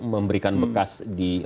memberikan bekas di